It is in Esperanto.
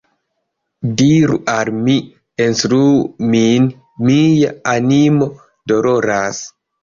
Diru al mi, instruu min, mia animo doloras!